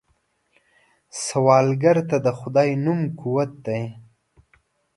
سوالګر ته د خدای نوم قوت دی